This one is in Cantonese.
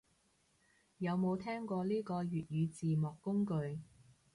有冇聽過呢個粵語字幕工具